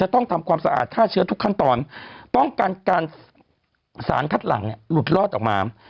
ต้องทำความสะอาดฆ่าเชื้อทุกขั้นตอนป้องกันการสารคัดหลังเนี่ยหลุดรอดออกมา